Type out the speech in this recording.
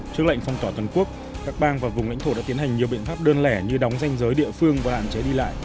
trước lệnh phong tỏa toàn quốc các bang và vùng lãnh thổ đã tiến hành nhiều biện pháp đơn lẻ như đóng danh giới địa phương và hạn chế đi lại